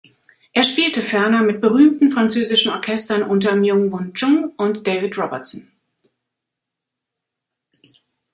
Er spielte ferner mit berühmten französischen Orchestern unter Myung-Whun Chung und David Robertson.